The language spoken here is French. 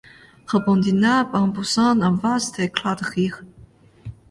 répondit Nab en poussant un vaste éclat de rire.